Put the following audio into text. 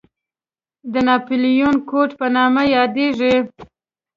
د ناپلیون کوډ په نامه یادېږي.